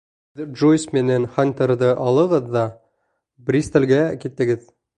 Һеҙ Джойс менән Хантерҙы алығыҙ ҙа Бристолгә китегеҙ.